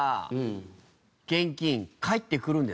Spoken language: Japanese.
現金返ってくるんですか？